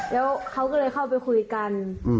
แล้วเขาก็เลยเข้าไปคุยกัน